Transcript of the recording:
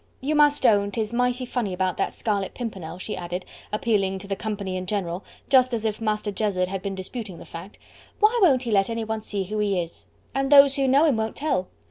you must own 'tis mighty funny about that Scarlet Pimpernel!" she added, appealing to the company in general, just as if Master Jezzard had been disputing the fact. "Why won't he let anyone see who he is? And those who know him won't tell.